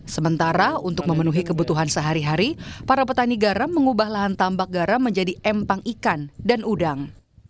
sementara untuk memenuhi kebutuhan sehari hari para petani garam mengubah lahan tambak garam menjadi empang ikan dan udang